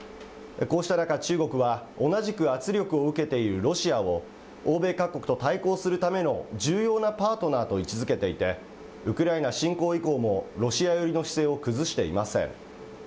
こうした中、中国は同じく圧力を受けているロシアを、欧米各国と対抗するための重要なパートナーと位置づけていて、ウクライナ侵攻以降もロシア寄りの姿勢を崩していません。